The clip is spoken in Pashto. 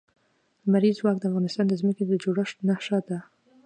لمریز ځواک د افغانستان د ځمکې د جوړښت نښه ده.